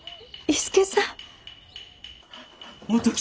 伊助さん